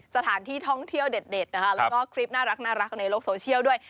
สถานที่ท่องเที่ยวเด็ดนะคะแล้วก็คลิปน่ารักในโลกโซเชียลด้วย